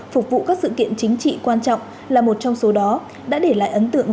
phục vụ các sự kiện chính trị quan trọng là một trong số đó đã để lại ấn tượng